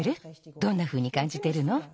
どんなふうにかんじてるの？